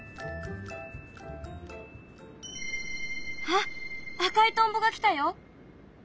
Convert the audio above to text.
あっ赤いトンボが来たよ。